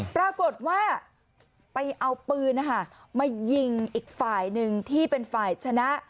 ปรากฏว่าไปเอาปืนมายิงอีกฝ่ายหนึ่งที่เป็นฝ่ายชนะ